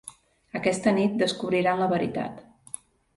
Aquesta nit, descobriran la veritat.